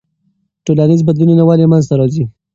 ټولنیز بدلونونه ولې منځ ته راځي؟